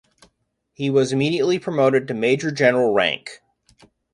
He was immediately promoted to major general rank.